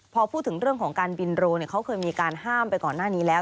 พอพูดถึงเรื่องของการบินโรเขาเคยมีการห้ามไปก่อนหน้านี้แล้ว